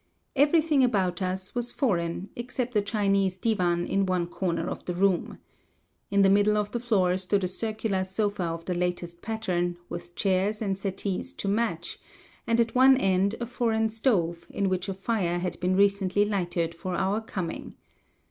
Everything about us was foreign except a Chinese divan in one corner of the room. In the middle of the floor stood a circular sofa of the latest pattern, with chairs and settees to match, and at one end a foreign stove, in which a fire had been recently lighted for our coming.